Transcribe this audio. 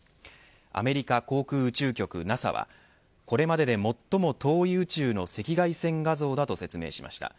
アメリカ航空宇宙局ＮＡＳＡはこれまでで最も遠い宇宙の赤外線画像だと説明しました。